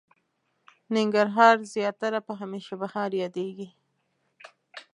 ننګرهار زياتره په هميشه بهار ياديږي.